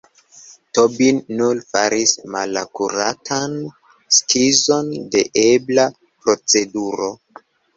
Tobin nur faris malakuratan skizon de ebla proceduro.